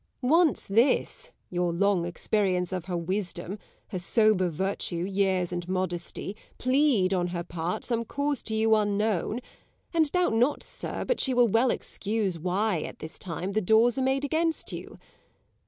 Once this, your long experience of her wisdom, Her sober virtue, years, and modesty, 90 Plead on her part some cause to you unknown; And doubt not, sir, but she will well excuse Why at this time the doors are made against you.